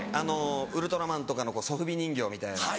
ウルトラマンとかのソフビ人形みたいな。